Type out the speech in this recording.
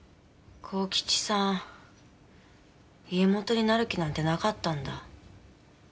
幸吉さん家元になる気なんてなかったんだ。